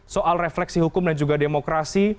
soal refleksi hukum dan juga demokrasi